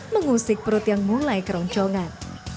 mengusik perut yang mulai keroncongan